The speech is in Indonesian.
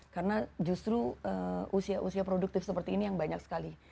karena justru usia usia produktif seperti ini yang banyak sekali